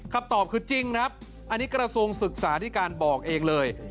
คำตอบคือจริงครับอันนี้กระทรวงศึกษาที่การบอกเองเลย